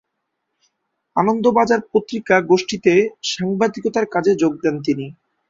আনন্দবাজার পত্রিকা গোষ্ঠীতে সাংবাদিকতার কাজে যোগ দেন তিনি।